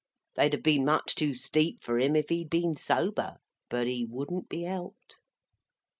They'd have been much too steep for him, if he had been sober; but he wouldn't be helped.